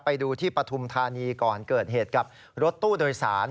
ไปดูที่ปฐุมธานีก่อนเกิดเหตุกับรถตู้โดยสาร